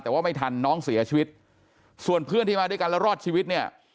แต่ว่าไม่ทันน้องเสียชีวิตส่วนเพื่อนที่มาด้วยกันแล้วรอดชีวิตเนี่ย